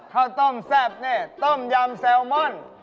ข้าวต้มแซ่บนี่ต้มยำแซลมอน